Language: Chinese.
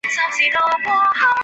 主要经营钢铁产品。